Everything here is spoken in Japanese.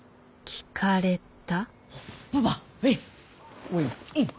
聞かれた。